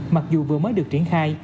mặc dù vừa mới được triển khai